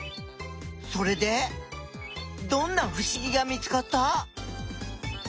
それでどんなふしぎが見つかった？